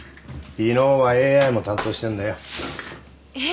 威能はＡｉも担当してんだよ。